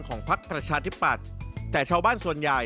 ก็คงไม่ยอมมาก่อน